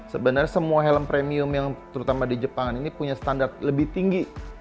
sebenarnya semua helm premium yang terutama di jepang ini punya standar lebih tinggi